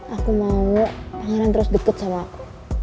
aku mau pangeran terus deket sama aku